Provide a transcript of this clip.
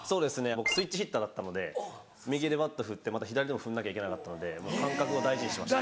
僕スイッチヒッターだったので右でバット振ってまた左でも振んなきゃいけなかったので感覚を大事にしました。